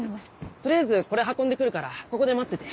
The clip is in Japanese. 取りあえずこれ運んでくるからここで待ってて。